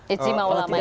istimewa ulama itu